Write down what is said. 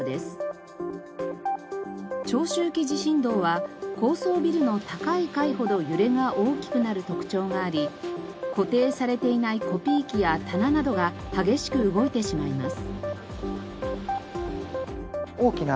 長周期地震動は高層ビルの高い階ほど揺れが大きくなる特徴があり固定されていないコピー機や棚などが激しく動いてしまいます。